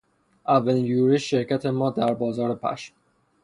اولین یورش شرکت ما در بازار پشم